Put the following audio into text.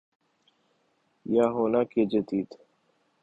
یا ہونا کہ جدید